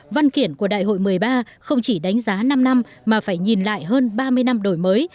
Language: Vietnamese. văn kiện của đại hội một mươi ba không chỉ đánh giá năm năm mà phải nhìn lại hơn ba mươi năm đổi mới